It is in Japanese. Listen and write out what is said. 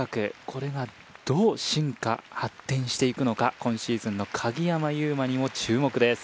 これがどう進化発展していくのか今シーズンの鍵山優真にも注目です